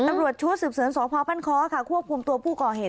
อัตรวจชุดสืบเสริญสวพพันธุ์ค่ะควบคุมตัวผู้ก่อเหตุ